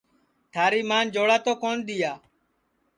تھاری مان جوڑا تو کون دؔیا